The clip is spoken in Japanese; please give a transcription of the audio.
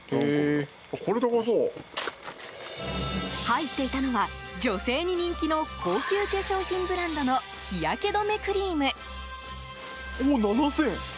入っていたのは、女性に人気の高級化粧品ブランドの日焼け止めクリーム。